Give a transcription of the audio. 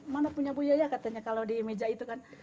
mana punya buya ya katanya kalau di meja itu kan